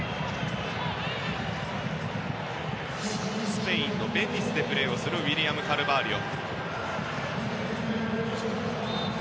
スペインのベティスでプレーをするウィリアム・カルバーリョ。